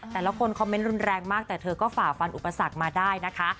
แต่ละคนคอมเมนต์รุนแรงมากแต่เธอก็ฝ่าฟันอุปสรรคมาได้นะคะ